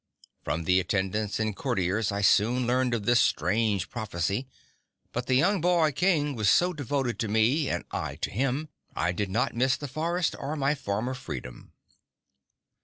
From the attendants and courtiers I soon learned of the strange prophecy, but the young boy King was so devoted to me and I to him, I did not miss the forest or my former freedom.